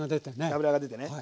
脂が出てね。